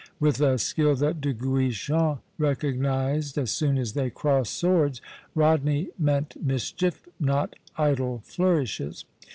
With a skill that De Guichen recognized as soon as they crossed swords, Rodney meant mischief, not idle flourishes.